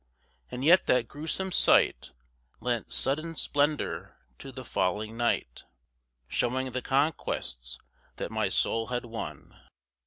And yet that gruesome sight Lent sudden splendour to the falling night, Showing the conquests that my soul had won.